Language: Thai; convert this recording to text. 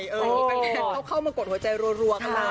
ต้องเข้ามากดหัวใจรว